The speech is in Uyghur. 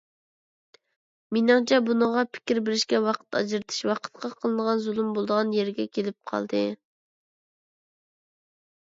مېنىڭچە، بۇنىڭغا پىكىر بېرىشكە ۋاقىت ئاجرىتىش ۋاقىتقا قىلىنغان زۇلۇم بولىدىغان يېرىگە كېلىپ قالدى.